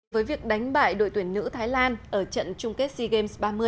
với việc đánh bại đội tuyển nữ thái lan ở trận chung kết sea games ba mươi